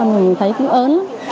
mình thấy cứ ớn lắm